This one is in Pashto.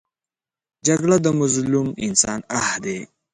جګړه د مظلوم انسان آه دی